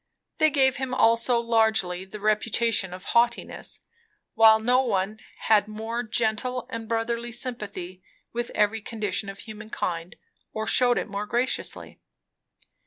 They gave him also largely the reputation of haughtiness; while no one had more gentle and brotherly sympathy with every condition of humankind, or shewed it more graciously.